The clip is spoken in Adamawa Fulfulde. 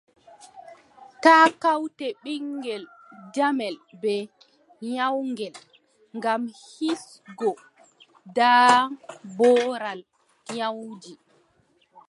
Taa kawte ɓiŋngel jamel bee nyawngel, ngam hisgo daaɓoral nyawuuji.